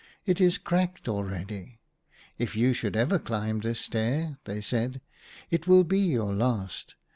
— it is cracked already. If you should ever climb this stair," they said, "it will be your last.